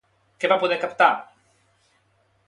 Què va poder captar?